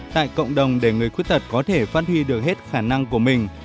tại cộng đồng để người khuyết tật có thể phát huy được hết khả năng của mình